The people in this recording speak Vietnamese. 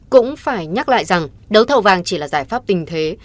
cũng phải nhắc lại rằng đấu thầu vàng chỉ là giải pháp tình thế